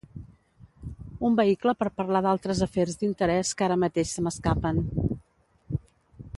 Un vehicle per parlar d'altres afers d'interès que ara mateix se m'escapen.